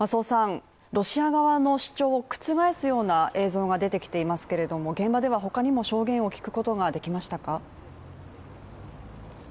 ロシア側の主張を覆すような映像が出てきていますけれども、現場では他にも証言を聞くことができましたか？